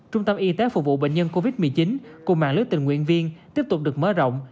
trung tâm y tế phục vụ bệnh nhân covid một mươi chín cùng mạng lưới tình nguyện viên tiếp tục được mở rộng